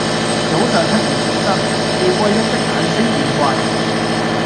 早上小心出門，趙貴翁的眼色便怪：